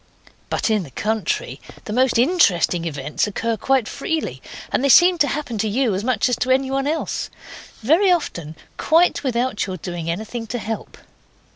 But in the country the most interesting events occur quite freely, and they seem to happen to you as much as to anyone else. Very often quite without your doing anything to help.